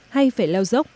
hay phải leo dốc